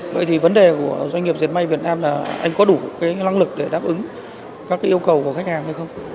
vậy thì vấn đề của doanh nghiệp diệt may việt nam là anh có đủ năng lực để đáp ứng các yêu cầu của khách hàng hay không